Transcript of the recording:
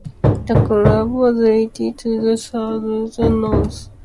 The club was relegated to the Third Division North.